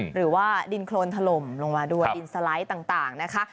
หรือว่าดินโครนถล่มลงมาด้วยดินสไลด์ต่างนะคะ